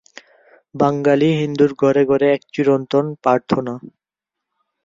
বাঙালি হিন্দুর ঘরে ঘরে এক চিরন্তন প্রার্থনা।